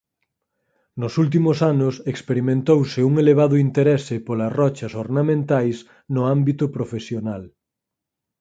Nos últimos anos experimentouse un elevado interese polas rochas ornamentais no ámbito profesional.